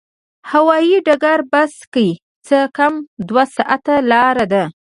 هوایي ډګره بس کې څه کم دوه ساعته لاره ده.